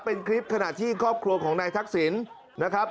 เป็นคลิปขณะที่ครอบครัวของนายทักษิณนะครับ